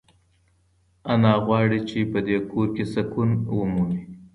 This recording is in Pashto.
انا غواړي چې په دې کور کې سکون ومومي.